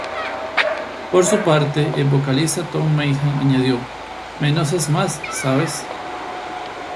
Por su parte, el vocalista Tom Meighan añadió: "Menos es más, ¿sabes?